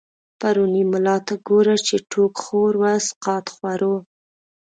پرو ني ملا ته ګوره، چی ټو ک خور و سقا ط خورو